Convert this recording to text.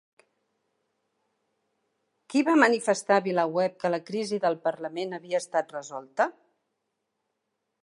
Qui va manifestar a VilaWeb que la crisi del parlament havia estat resolta?